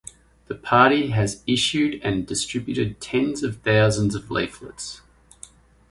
The party has issued and distributed tens of thousands of leaflets.